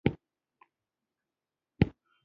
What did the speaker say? ښارونه د افغانستان د ځایي اقتصادونو بنسټ دی.